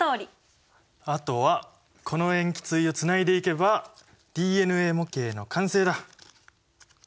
あとはこの塩基対をつないでいけばＤＮＡ模型の完成だ。